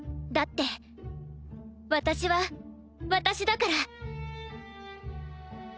だって私は私だから。